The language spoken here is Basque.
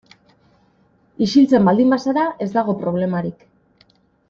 Isiltzen baldin bazara ez dago problemarik.